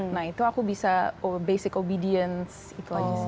nah itu aku bisa basic obedience itu aja sih